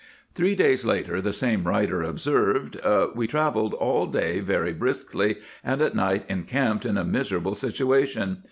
Three days later the same writer observed: [We] "travelled all day very briskly, and at night encamped in a miserable situation.